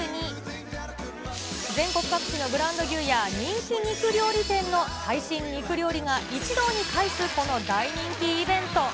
全国各地のブランド牛や人気肉料理店の最新肉料理が一堂に会すこの大人気イベント。